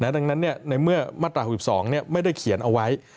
ดังนั้นในเมื่อมาตรา๖๒ไม่ได้เขียนเอาไว้